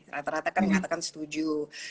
rata rata kan mengatakan setuju